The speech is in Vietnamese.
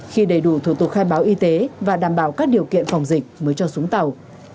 khi đầy đủ thủ tục khai báo y tế và đảm bảo các điều kiện phòng dịch mới cho xuống tàu